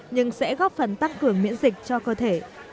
nhưng sẽ góp phần tăng cường miễn dịch cho cơ thể